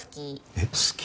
えっ好き？